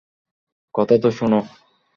কথা তো শোনো?